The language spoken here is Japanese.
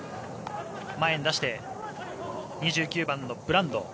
前に出して２９番のブランド。